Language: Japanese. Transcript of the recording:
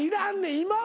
今は。